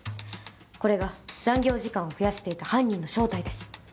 これが残業時間を増やしていた犯人の正体です。